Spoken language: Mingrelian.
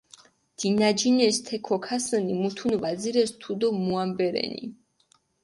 დინაჯინეს თე ქოქასჷნი, მუთუნ ვაძირეს თუდო მუამბე რენი.